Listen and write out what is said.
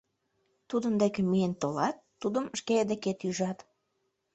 Тудын деке миен толат, тудым шке декет ӱжат.